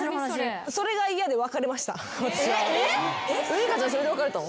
ウイカちゃんそれで別れたの？